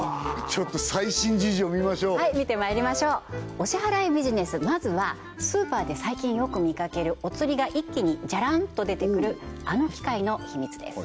ちょっと最新事情見ましょうはい見てまいりましょうお支払いビジネスまずはスーパーで最近よく見かけるおつりが一気にジャランと出てくるあの機械のヒミツです